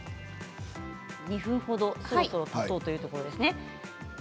２分間程そろそろたとうというところですね。